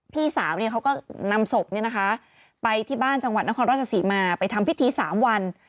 พี่สาวเขาก็นำศพไปที่บ้านจังหวัดนครราชศรีมาไปทำพิธี๓วัน